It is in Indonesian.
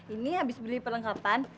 ini habis beli perlengkapan